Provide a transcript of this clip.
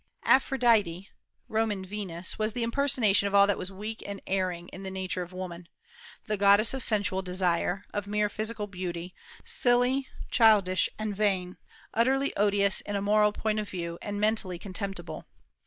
Aphrodite (Roman Venus) was the impersonation of all that was weak and erring in the nature of woman, the goddess of sensual desire, of mere physical beauty, silly, childish, and vain, utterly odious in a moral point of view, and mentally contemptible.